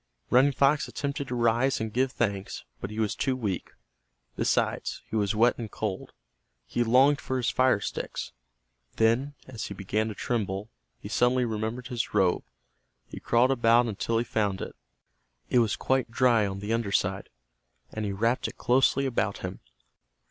Running Fox attempted to rise and give thanks, but he was too weak. Besides, he was wet and cold. He longed for his fire sticks. Then, as he began to tremble, he suddenly remembered his robe. He crawled about until he found it. It was quite dry on the under side, and he wrapped it closely about him.